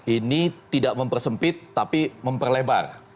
ini tidak mempersempit tapi memperlebar